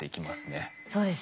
そうですね。